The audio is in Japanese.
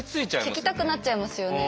聞きたくなっちゃいますよね。